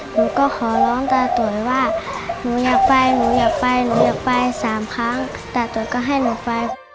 หนูก็ขอร้องตาตุ๋ยว่าหนูอยากไปหนูอยากไปหนูอยากไปสามครั้งตาตุ๋ยก็ให้หนูไป